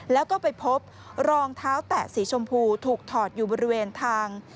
แล้วก็ไปพบรองเท้าแตะสีชมพูถูกถอดอยู่บริเวณทาง